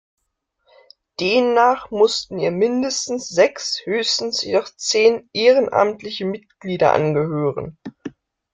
Demnach mussten ihr mindestens sechs, höchstens jedoch zehn ehrenamtliche Mitglieder angehören.